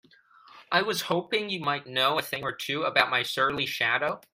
I was hoping you might know a thing or two about my surly shadow?